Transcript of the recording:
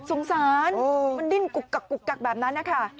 สงสารมันดิ้นกุกกักกุกกักแบบนั้นนะคะ